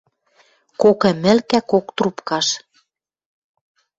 Кок ӹмӹлкӓ кок трубкаш.